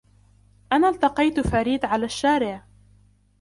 أنا التقيت فريد على الشارع.